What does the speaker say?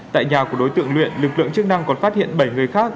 tại nhà của đối tượng luyện lực lượng chức năng còn phát hiện bảy người khác